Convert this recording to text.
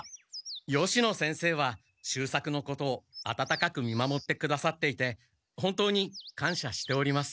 吉野先生は秀作のことを温かく見守ってくださっていて本当にかんしゃしております。